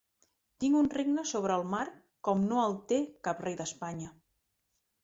Tinc un regne sobre el mar com no el té cap rei d’Espanya.